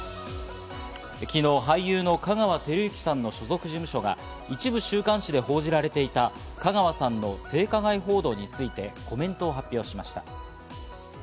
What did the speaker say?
昨日、俳優の香川照之さんの所属事務所が一部週刊誌で報じられていた香川さんの性加害報道について、コメントを発表しました。